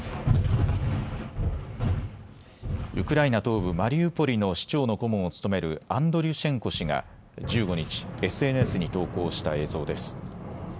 ウクライナ東部マリウポリの市長の顧問を務めるアンドリュシェンコ氏が１５日、ＳＮＳに投稿した映像です。